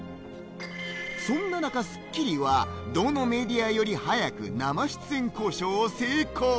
そんな中『スッキリ』はどのメディアより早く、生出演交渉を成功！